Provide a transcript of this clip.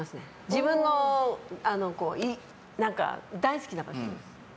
自分の大好きな場所。